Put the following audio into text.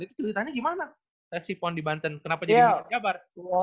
itu ceritanya gimana teksi pon di banten kenapa jadi lewat jabar